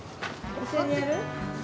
一緒にやる？